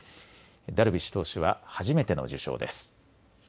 ダルビッシュ投手は初めての受賞です。